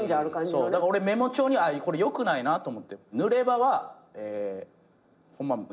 だから俺メモ帳にこれよくないなと思ってぬれ場は現場は許す。